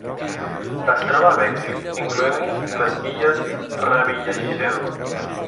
Es troba a Mèxic, incloent-hi les Illes Revillagigedo.